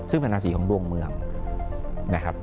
ซึ่งเป็นราศีของดวงเมืองนะครับ